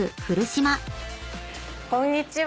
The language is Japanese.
こんにちは。